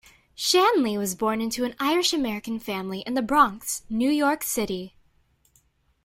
Shanley was born into an Irish-American family in The Bronx, New York City.